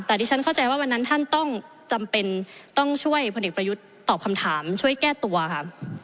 แต่ที่ฉันเข้าใจว่าวันนั้นท่านต้องจำเป็นต้องช่วยพลเอกประยุทธ์ตอบคำถามช่วยแก้ตัวค่ะ